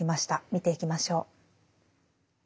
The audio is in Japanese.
見ていきましょう。